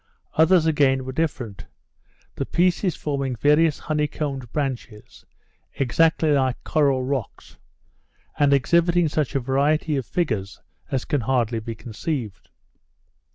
Others again were different; the pieces forming various honey combed branches, exactly like coral rocks, and exhibiting such a variety of figures as can hardly be conceived.